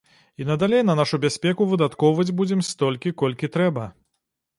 І надалей на нашу бяспеку выдаткоўваць будзем столькі, колькі трэба.